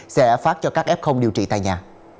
sẽ phát cho các f điều trị tại nhà